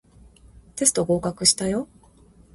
テスト合格したよ